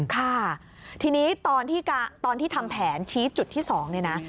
ค่ะทีนี้ตอนที่ทำแผนชี้จุดที่๒เนี่ยนะ